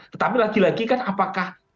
tetapi lagi lagi kan apakah